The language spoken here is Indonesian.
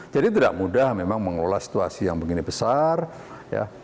jadi tidak mudah memang mengelola situasi yang begini besar ya